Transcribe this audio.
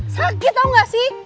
sakit tau gak sih